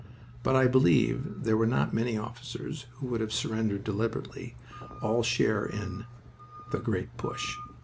But I believe there were not many officers who would have surrendered deliberately all share in "The Great Push."